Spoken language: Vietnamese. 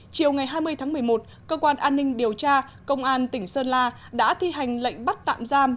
chiều ngày hai mươi tháng một mươi một cơ quan an ninh điều tra công an tỉnh sơn la đã thi hành lệnh bắt tạm giam